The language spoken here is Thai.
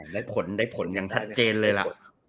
ได้ผลได้ผลอย่างชัดเจนเลยล่ะ